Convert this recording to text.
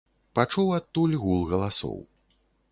Пачуў адтуль гул галасоў.